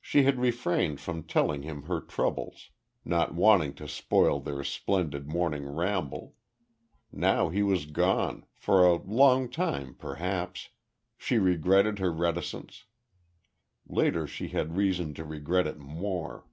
She had refrained from telling him her troubles, not wanting to spoil their splendid morning ramble; now he was gone, for a long time perhaps, she regretted her reticence. Later she had reason to regret it more.